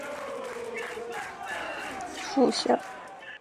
安徽威灵仙为毛茛科铁线莲属下的一个种。